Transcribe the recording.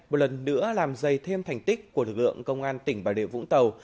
một lần nữa làm dày thêm thành tích của lực lượng công an tỉnh bà rịa vũng tàu